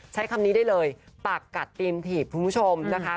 ใช้คำนี้ได้เลยปากกัดเตรียมถีบคุณผู้ชมนะคะ